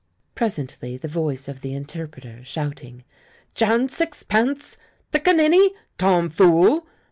Presently the voice of the interpreter, shouting "Jan Sixpence! Piccanini! Tom Fool!"